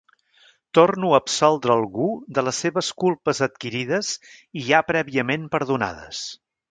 Torno a absoldre algú de les seves culpes adquirides i ja prèviament perdonades.